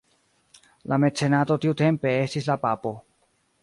La mecenato tiutempe estis la Papo.